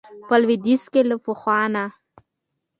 په لويديځ کې له پخوا نه